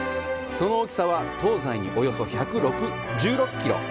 その大きさは東西におよそ１６キロ！